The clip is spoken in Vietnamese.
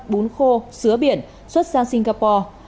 bún khô sứa biển xuất sang singapore